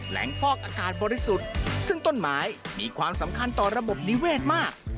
ฟอกอากาศบริสุทธิ์ซึ่งต้นไม้มีความสำคัญต่อระบบนิเวศมาก